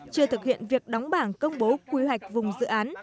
chưa thực hiện việc đóng bảng công bố quy hoạch vùng dự án